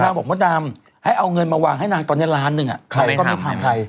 นางบอกว่านางให้เอาเงินมาวางให้นางตอนนี้ล้านหนึ่งอะใครก็ไม่ทำใคร